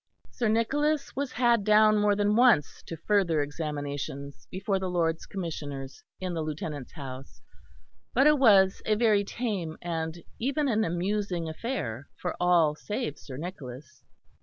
Sir Nicholas was had down more than once to further examination before the Lords Commissioners in the Lieutenant's house; but it was a very tame and even an amusing affair for all save Sir Nicholas.